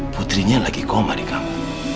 putrinya lagi koma di kamu